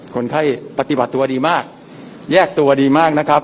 คนไข้ปฏิบัติตัวดีมากแยกตัวดีมากนะครับ